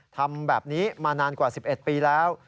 ทำแบบนี้มานานกว่า๑๑ปีแล้ว